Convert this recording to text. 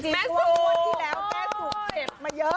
แป้งสูงแป้งสูงเสร็จไม่เยอะ